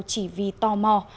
chỉ vì tò mò